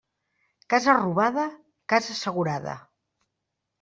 Casa robada, casa assegurada.